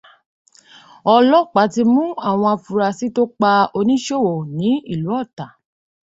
Ọlọ́pàá ti mú àwọn afurasí tó pa oníṣòwò ní ìlú Ọ̀tà